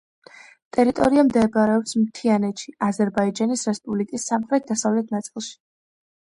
ტერიტორია მდებარეობს მთიანეთში, აზერბაიჯანის რესპუბლიკის სამხრეთ-დასავლეთ ნაწილში.